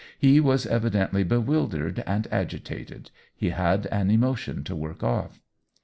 He was evidently bewildered and agitated — he had an emo tion to work off.